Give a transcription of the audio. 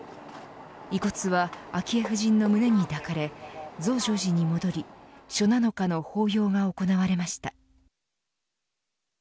遺骨は昭恵夫人の胸に抱かれ増上寺に戻り初七日の法要が行われました。